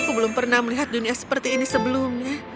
aku belum pernah melihat dunia seperti ini sebelumnya